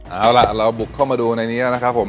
เอาล่ะเราบุกเข้ามาดูในนี้นะครับผม